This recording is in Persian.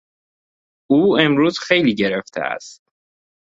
او امروز خیلی گرفته است.